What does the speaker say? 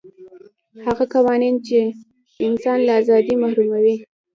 هغه قوانین چې انسان له ازادۍ محروموي.